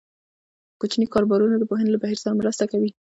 کوچني کاروبارونه د پوهنې له بهیر سره مرسته کوي.